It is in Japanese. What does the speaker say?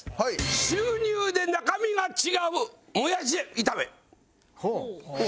収入で中身が違うもやし炒め。